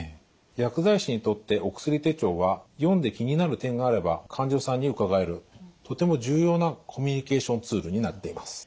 薬剤師にとってお薬手帳は読んで気になる点があれば患者さんに伺えるとても重要なコミュニケーションツールになっています。